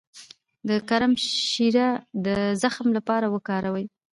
د کرم شیره د زخم لپاره وکاروئ